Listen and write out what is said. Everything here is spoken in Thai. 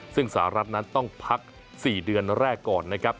ซึ่งสหรัฐนั้นต้องพัก๔เดือนแรกก่อนนะครับ